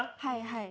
はい。